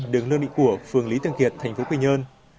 đứng nơi định của phường lý thường kiệt thành phố quy nhơn